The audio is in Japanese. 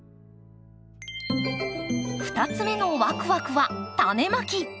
２つ目のワクワクはタネまき！